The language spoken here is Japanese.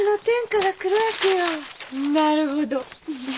なるほど。